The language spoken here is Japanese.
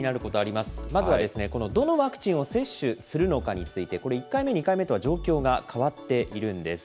まずはこの、どのワクチンを接種するのかについて、これ、１回目、２回目とは状況が変わっているんです。